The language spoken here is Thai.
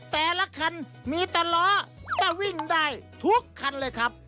แต่ละคันมีแต่ล้อก็วิ่งได้ทุกคันเลยครับ